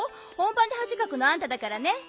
本ばんではじかくのあんただからね。